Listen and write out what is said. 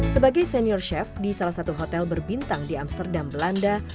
sebagai senior chef di salah satu hotel berbintang di amsterdam belanda